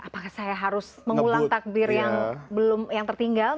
apakah saya harus mengulang takbir yang tertinggal